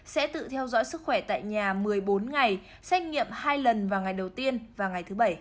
sẽ tự theo dõi sức khỏe tại nhà một mươi bốn ngày xét nghiệm hai lần vào ngày đầu tiên và ngày thứ bảy